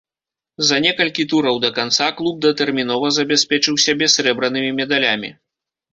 За некалькі тураў да канца клуб датэрмінова забяспечыў сябе срэбранымі медалямі.